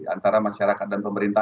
antara masyarakat dan pemerintah